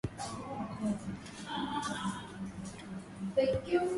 Mkoa wa Mtwara ulikuwa na jumla ya watu millioni moja